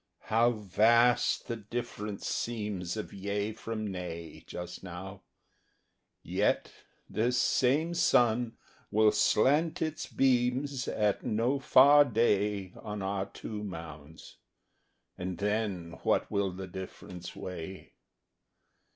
How vast the difference seems Of Yea from Nay Just now. Yet this same sun will slant its beams At no far day On our two mounds, and then what will the difference weigh!